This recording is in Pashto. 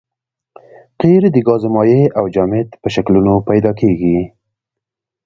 قیر د ګاز مایع او جامد په شکلونو پیدا کیږي